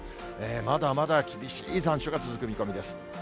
まだまだ厳しい残暑が続く見込みです。